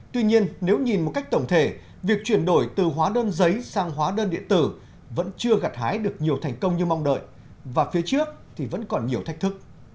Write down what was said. tuy nhiên nếu nhìn một cách tổng thể việc chuyển đổi từ hóa đơn giấy sang hóa đơn điện tử vẫn chưa gặt hái được nhiều thành công như mong đợi và phía trước thì vẫn còn nhiều thách thức